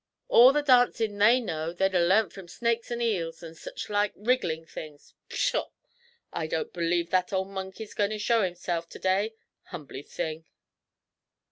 All the dancin' they know they'd 'a' learnt from snakes and eels, an' sich like wrigglin' things. Pshaw! I don't b'lieve that ole monkey's goin' to show hisself to day, humbly thing!'